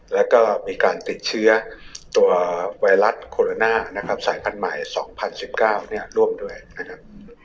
แล้วก็มีการติดเชื้อตัวไวรัสโคโรนานะครับสายพันธุ์ใหม่๒๐๑๙เนี่ยร่วมด้วยนะครับ